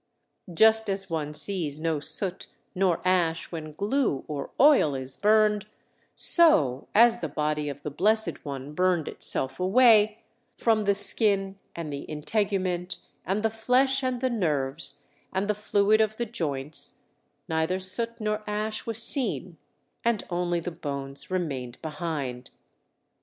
Just as one sees no soot nor ash when glue or oil is burned, so, as the body of the Blessed One burned itself away, from the skin and the integument, and the flesh, and the nerves, and the fluid of the joints, neither soot nor ash was seen: and only the bones remained behind.